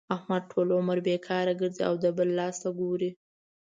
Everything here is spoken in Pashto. احمد ټول عمر بېکاره ګرځي او د بل لاس ته ګوري.